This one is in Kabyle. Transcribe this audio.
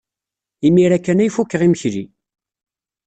Imir-a kan ay fukeɣ imekli.